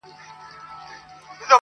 د غلا په جرم به پاچاصاب محترم نیسې,